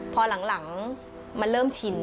พอหลังมันเริ่มชิน